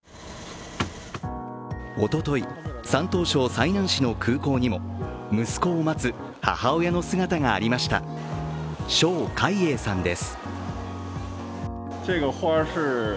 おととい、山東省済南市の空港にも息子を待つ母親の姿がありました邵海英さんです。